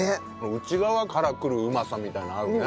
内側から来るうまさみたいなあるね。